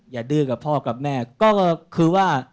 อย่าดื้อกับพ่อกับแม่